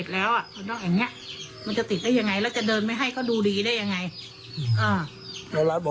ยังเลยยังไม่เคยให้ดูเลย